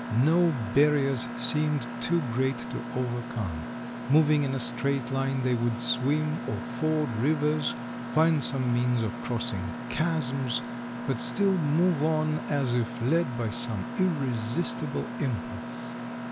No barriers seemed too great to overcome. Moving in a straight line they would swim or ford rivers, find some means of crossing chasms, but still move on as if led by some irresistible impulse.